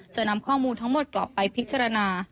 จะนำข้อมูลทั้งหมดกลับไปพิจารณา